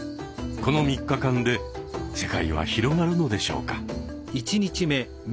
この３日間で世界は広がるのでしょうか。